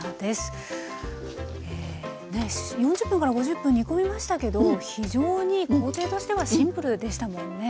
４０分から５０分煮込みましたけど非常に工程としてはシンプルでしたもんね。